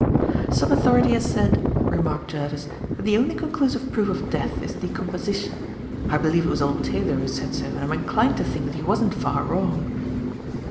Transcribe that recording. "Some authority has said," remarked Jervis, "that the only conclusive proof of death is decomposition. I believe it was old Taylor who said so, and I am inclined to think that he wasn't far wrong."